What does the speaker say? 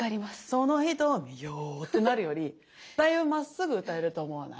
「その瞳を」ってなるよりだいぶまっすぐ歌えると思わない？